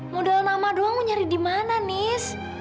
mudah mudahan nama doang mau nyari di mana nis